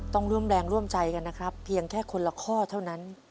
ต้องร่วมแรงร่วมใจกันนะครับเพียงแค่คนละข้อเท่านั้น